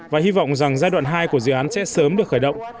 và hy vọng rằng giai đoạn hai của dự án sẽ sớm được khởi động